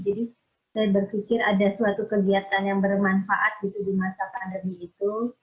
jadi saya berpikir ada suatu kegiatan yang bermanfaat gitu di masa pandemi itu